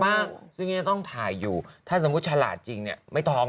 มากซึ่งยังต้องถ่ายอยู่ถ้าสมมุติฉลาดจริงเนี่ยไม่ท้อง